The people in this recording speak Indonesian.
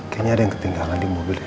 kayaknya ada yang ketinggalan di mobil